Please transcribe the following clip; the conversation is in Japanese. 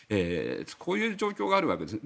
こういう状況があるわけです。